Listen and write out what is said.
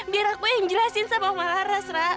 biar aku yang jelasin sama omalaras ra